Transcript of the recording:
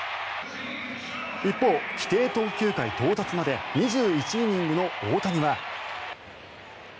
一方、規定投球回到達まで２１イニングの大谷は。